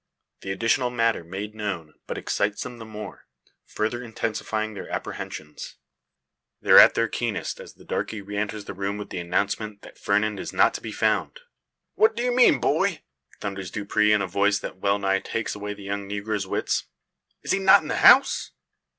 The additional matter made known but excites them the more, further intensifying their apprehensions. They're at their keenest, as the darkey re enters the room with the announcement that Fernand is not to be found! "What do you mean, boy?" thunders Dupre, in a voice that well nigh takes away the young negro's wits. "Is he not in the house?"